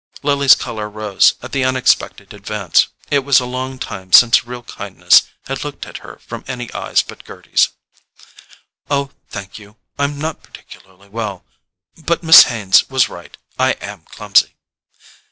Lily's colour rose at the unexpected advance: it was a long time since real kindness had looked at her from any eyes but Gerty's. "Oh, thank you: I'm not particularly well, but Miss Haines was right. I AM clumsy."